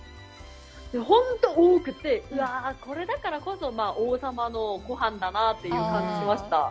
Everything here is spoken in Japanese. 本当に多くて、それだからこそ、王様のごはんだなぁという感じがしました。